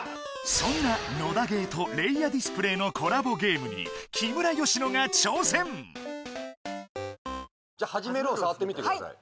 そんな野田ゲーとレイアディスプレイのコラボゲームに木村佳乃が挑戦じゃ「はじめる」を触ってみてください